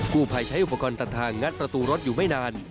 ผู้ภัยใช้อุปกรณ์ตัดทางงัดประตูรถอยู่ไม่นาน